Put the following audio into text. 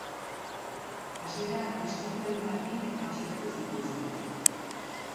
Hasi da istiluengatik atxilotu zituzten.